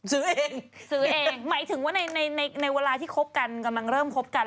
หมายถึงว่าในเวลาที่ครอบกันกำลังเริ่มครอบกัน